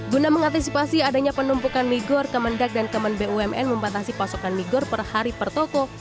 guna mengantisipasi adanya penumpukan migor kementerian terkait kementerian terkait bumn membatasi pasokan migor per hari per toko